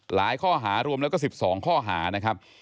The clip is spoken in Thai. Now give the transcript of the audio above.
ข้อหารวมแล้วก็๑๒ข้อหานะครับ